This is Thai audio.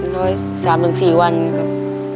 ร้อย๓๔วันครับ